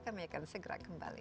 kami akan segera kembali